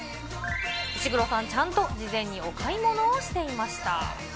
石黒さん、ちゃんと事前にお買い物をしていました。